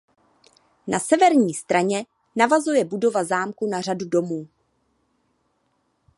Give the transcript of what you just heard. Na severní straně navazuje budova zámku na řadu domů.